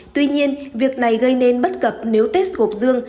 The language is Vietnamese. tuy nhiên việc này gây nên bất cập nếu test gộp dương